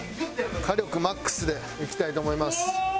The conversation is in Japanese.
火力マックスでいきたいと思います。